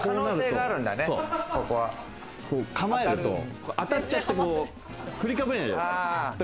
構えると当たっちゃって、振りかぶれないじゃないですか。